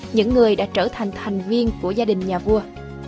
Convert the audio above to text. những người đã trở thành thành viên của gia đình nhà vua